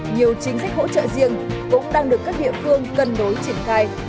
nhiều chính sách hỗ trợ riêng cũng đang được các địa phương cân đối triển khai